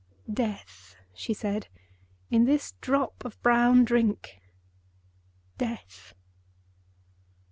"DEATH!" she said. "In this drop of brown drink—DEATH!"